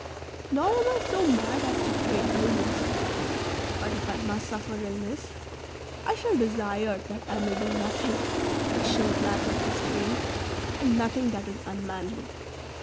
Nor am I so mad as to crave illness ; but if I must suffer illness, I shall desire that I may do nothing which shows lack of restraint, and nothing that is unmanly.